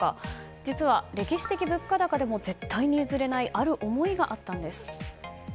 実は、歴史的物価高でも絶対に譲れないある思いがあったんです。